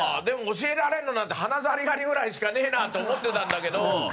でも教えられるのなんて鼻ザリガニぐらいしかねえなって思ってたんだけど。